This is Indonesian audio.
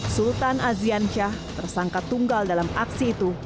sultan azian syah tersangka tunggal dalam aksi itu